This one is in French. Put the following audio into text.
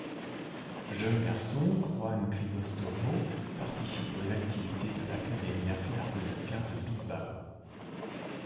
Jeune garçon, Juan Crisóstomo participe aux activités de l'Académia Filarmónica de Bilbao.